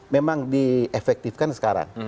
memang diefektifkan sekarang